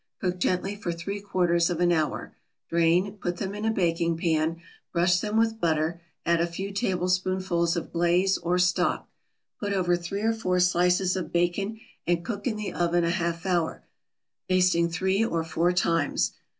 Cook gently for three quarters of an hour. Drain, put them in a baking pan, brush them with butter, add a few tablespoonfuls of glaze or stock, put over three or four slices of bacon, and cook in the oven a half hour, basting three or four times.